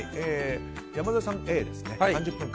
山添さん、Ａですね。